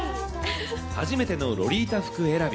初めてのロリータ服選び。